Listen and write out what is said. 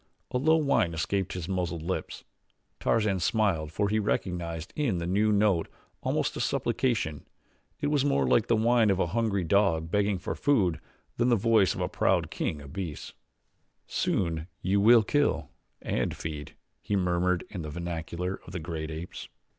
A low whine escaped his muzzled lips. Tarzan smiled for he recognized in the new note almost a supplication it was more like the whine of a hungry dog begging for food than the voice of the proud king of beasts. "Soon you will kill and feed," he murmured in the vernacular of the great apes.